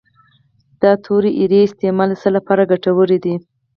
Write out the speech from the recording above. د تورې اریړې استعمال د څه لپاره ګټور دی؟